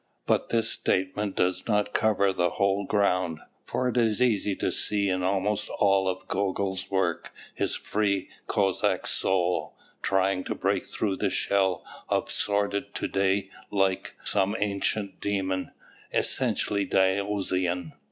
But this statement does not cover the whole ground, for it is easy to see in almost all of Gogol's work his "free Cossack soul" trying to break through the shell of sordid to day like some ancient demon, essentially Dionysian.